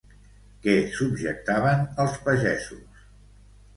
Què subjectaven els pagesos?